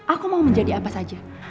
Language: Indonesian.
aku mau menjadi apa saja